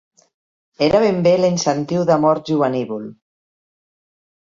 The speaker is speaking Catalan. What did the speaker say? Era ben bé l'incentiu d'amor jovenívol